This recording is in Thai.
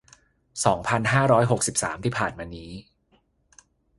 สองพันห้าร้อยหกสิบสาม ที่ผ่านมานี้